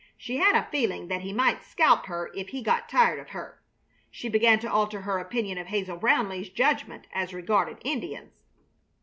She had a feeling that he might scalp her if he got tired of her. She began to alter her opinion of Hazel Brownleigh's judgment as regarded Indians.